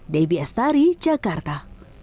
debi astari jakarta